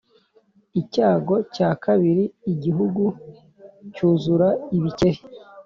Icyago cya kabiri igihugu cyuzura ibikeri